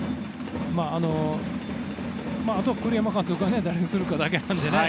あとは栗山監督が誰にするかだけなのでね。